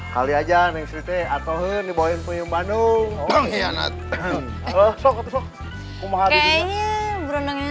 kali aja neng sri teh atau dibawain punya bandung hianat sokat kaitanya berendangnya